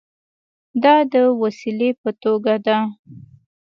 دا د وسیلې په توګه ده.